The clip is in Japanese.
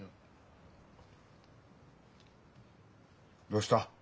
どうした？